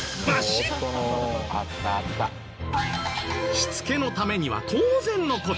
しつけのためには当然の事。